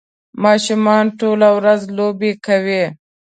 ماشومان ټوله ورځ لوبې کوي.